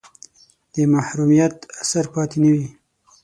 د محرومیت اثر پاتې نه وي.